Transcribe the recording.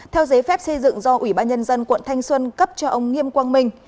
theo giấy phép xây dựng do ủy ban nhân dân quận thanh xuân cấp cho ông nghiêm quang minh